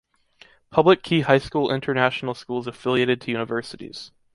Public key high school international schools affiliated to universities.